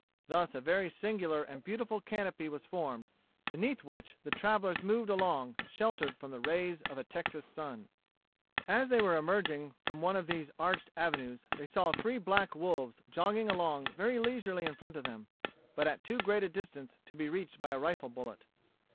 Thus a very singular and beautiful canopy was formed, beneath which the travellers moved along sheltered from the rays of a Texan sun. As they were emerging from one of these arched avenues, they saw three black wolves jogging along very leisurely in front of them, but at too great a distance to be reached by a rifle bullet.